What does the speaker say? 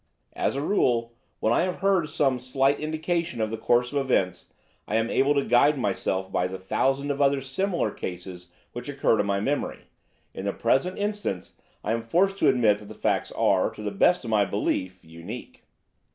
As a rule, when I have heard some slight indication of the course of events, I am able to guide myself by the thousands of other similar cases which occur to my memory. In the present instance I am forced to admit that the facts are, to the best of my belief, unique."